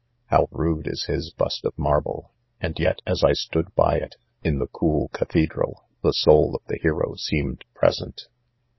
How rude is his bust of marble ; and yet as I stood by it, in the cool cathedral, the soul of the hero seemed present.